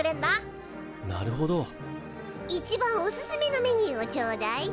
一番おすすめのメニューをちょうだい。